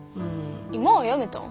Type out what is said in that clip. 今はやめたん？